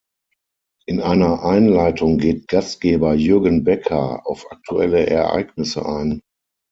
In einer Einleitung geht Gastgeber Jürgen Becker auf aktuelle Ereignisse ein.